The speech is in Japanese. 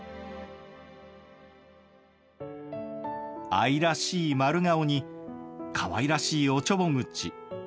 愛らしい丸顔にかわいらしいおちょぼ口。